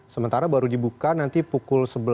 sementara baru dibuka nanti pukul sebelas